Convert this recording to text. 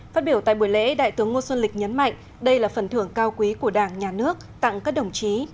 phát biểu tại buổi lễ đại tướng ngô xuân lịch nhấn mạnh đây là phần thưởng cao quý của đảng nhà nước tặng các đồng chí